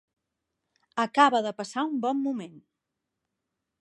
Acaba de passar un bon moment.